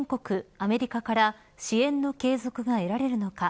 アメリカから支援の継続が得られるのか。